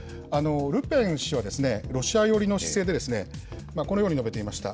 ルペン氏は、ロシア寄りの姿勢でですね、このように述べていました。